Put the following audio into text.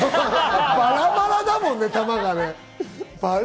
バラバラだもんね、球が。